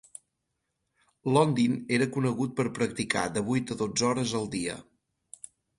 Londin era conegut per practicar de vuit a dotze hores al dia.